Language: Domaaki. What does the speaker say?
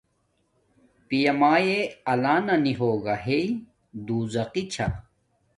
پیا مایے آلانا نی ہوگا ہݵ دوزخی چھا